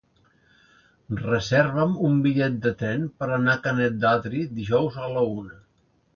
Reserva'm un bitllet de tren per anar a Canet d'Adri dijous a la una.